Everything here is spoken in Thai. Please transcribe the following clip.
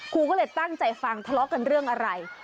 ครูก็เลยตั้งใจฟังทะเลาะกันเรื่องอะไร